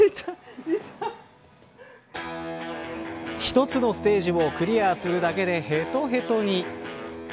一つのステージをクリアするだけで、へとへとに。